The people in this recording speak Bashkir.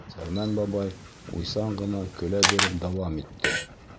Сәлмән бабай уйсан ғына көлә биреп дауам итте: